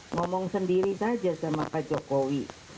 ngomong sendiri saja sama pak jokowi